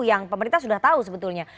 yang pemerintah sudah tahu sebetulnya